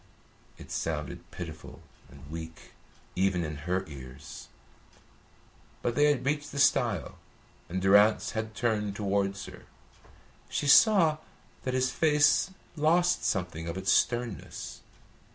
It sounded pitiful and weak, even in her ears; but they had reached the stile, and Durrance had turned towards her. She saw that his face lost something of its sternness.